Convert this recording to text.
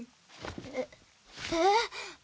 えっ？